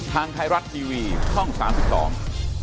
ทางไทยรัฐทีวีช่อง๓๒